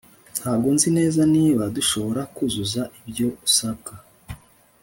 Ntabwo nzi neza niba dushobora kuzuza ibyo usabwa